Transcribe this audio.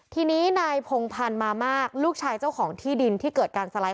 ทีนี้นายพงพันธ์มามากลูกชายเจ้าของที่ดินที่เกิดการสไลด์